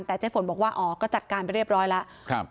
แต่เจ๊ฝนบอกว่าอ๋อก็จัดการไปเรียบร้อยแล้ว